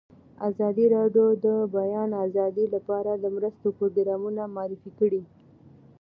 ازادي راډیو د د بیان آزادي لپاره د مرستو پروګرامونه معرفي کړي.